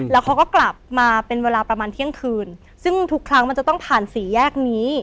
แล้วเขาก็กลับมาเป็นเวลาประมาณเที่ยงคืนซึ่งทุกครั้งมันจะต้องผ่านสี่แยกนี้